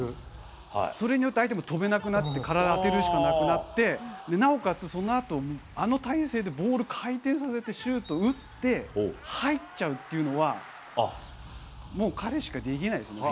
それによって相手も跳べなくなって、体当てるしかなくなって、で、なおかつ、そのあと、あの体勢でボール回転させて、シュート打って、入っちゃうっていうのは、もう彼しかできないですね。